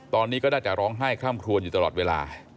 ตอนนี้ก็ได้จะร้องไห้ข้ามครัวอยู่ตลอดเวลา